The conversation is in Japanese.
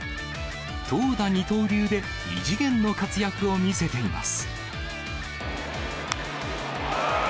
投打二刀流で異次元の活躍を見せています。